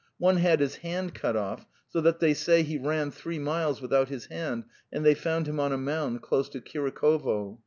One had his hand cut off, so that they say he ran three miles without his hand, and they found him on a mound close to Kurikovo.